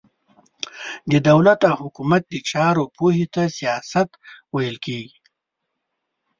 د دولت او حکومت د چارو پوهي ته سياست ويل کېږي.